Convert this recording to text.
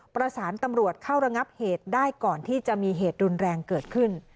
ประสานตำรวจเข้าระงับเหตุได้ก่อนที่จะมีเหตุรุนแรงเกิดขึ้น